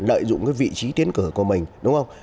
lợi dụng cái vị trí tiến cửa của mình đúng không